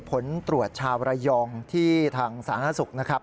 ผลบทรวจชาวรายองคมที่ทางสาหร่าสุขนะครับ